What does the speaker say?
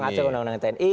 mengacu ke undang undang tni